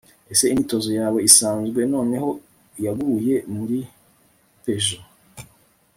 ese imyitozo yawe isanzwe noneho yaguye muri peugeot